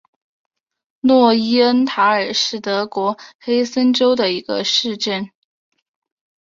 诺伊恩塔尔是德国黑森州的一个市镇。